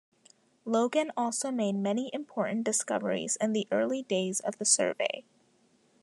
Logan also made many important discoveries in the early days of the Survey.